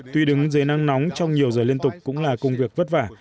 tuy đứng dưới nắng nóng trong nhiều giờ liên tục cũng là công việc vất vả